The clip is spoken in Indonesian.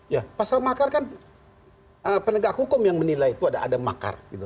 ya pasal makar kan penegak hukum yang menilai itu ada makar gitu